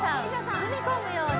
「つつみ込むように」